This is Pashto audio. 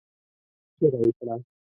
چيغه يې کړه!